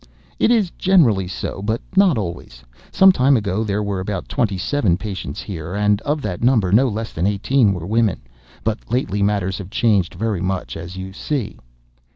"It is generally so, but not always. Some time ago, there were about twenty seven patients here; and, of that number, no less than eighteen were women; but, lately, matters have changed very much, as you see."